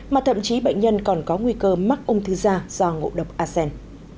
mà thậm chí bệnh nhân còn có nguy cơ mắc ung thư ra do ngộ độc asean